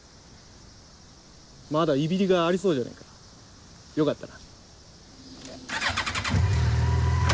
まだいびりがいありそうじゃねえか。よかったな。